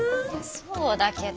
そうだけど。